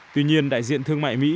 tuy nhiên đại diện thương mại mỹ